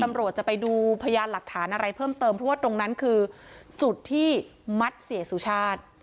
ตำรวจจะไปดูพยานหลักฐานอะไรเพิ่มเติมเพราะว่าตรงนั้นคือจุดที่มัดเสียสุชาติ